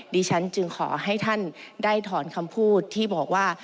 ดิฉันจึงขอให้ท่านได้ถอนคำพูดที่บอกว่า